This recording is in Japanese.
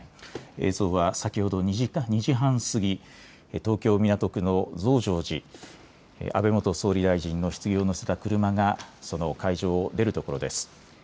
映像は先ほど２時半過ぎ、東京港区の増上寺、安倍元総理大臣のひつぎを乗せた車がその会場を出る所です。